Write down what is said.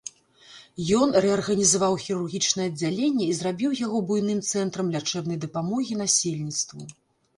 Ён рэарганізаваў хірургічнае аддзяленне і зрабіў яго буйным цэнтрам лячэбнай дапамогі насельніцтву.